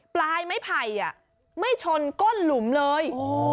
ปลายไม้ไผ่ไม่ชนก้นหลุมเลย